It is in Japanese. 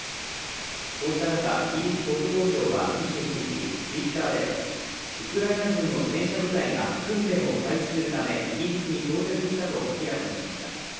こうした中イギリス国防省は２９日、Ｔｗｉｔｔｅｒでウクライナ軍の戦車部隊が訓練を開始するためイギリスに到着したと明らかにしました。